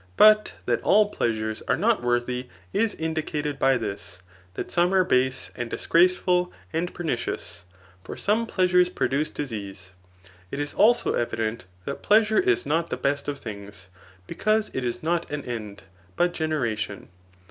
But that all pleasures are not worthy is indicated by this, that some are base, and disgraceful, and pernicious ; for some pleasures produce disease. It is also evident that pleasure is not the best of diings, because it is not an «nd» but generation.